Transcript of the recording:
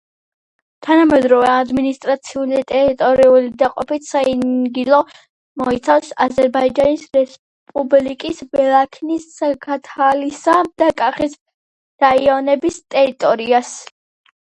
თანამედროვე ადმინისტრაციულ-ტერიტორიული დაყოფით საინგილო მოიცავს აზერბაიჯანის რესპუბლიკის ბელაქნის, ზაქათალისა და კახის რაიონების ტერიტორიას.